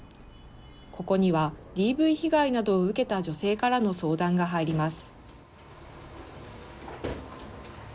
ここには、ＤＶ被害などを受けた女性からの相談が入ります。